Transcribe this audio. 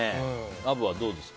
アブはどうですか？